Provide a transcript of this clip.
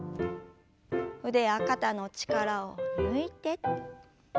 腕や肩の力を抜いて。